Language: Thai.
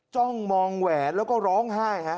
จ้องมองแหวนแล้วก็ร้องไห้ฮะ